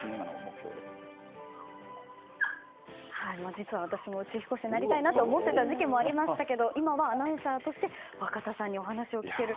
実は私も宇宙飛行士になりたいなと思っていた時期もありましたけど今はアナウンサーとして若田さんにお話を聞ける。